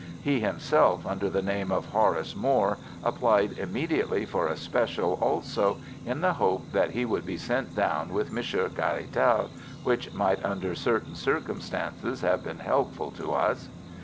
He himself under the name of Horace Moore applied immediately for a special also, in the hope that he would be sent down with Monsieur Caratal, which might under certain circumstances have been helpful to us.